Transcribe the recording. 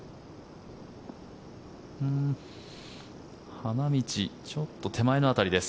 花道ちょっと手前の辺りです。